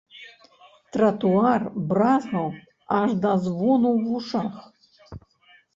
Тратуар бразгаў аж да звону ў вушах.